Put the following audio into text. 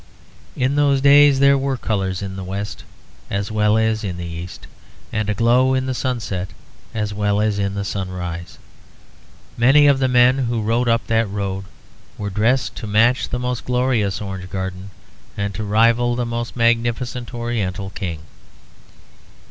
In those days there were colours in the West as well as in the East; and a glow in the sunset as well as in the sunrise. Many of the men who rode up that road were dressed to match the most glorious orange garden and to rival the most magnificent oriental king.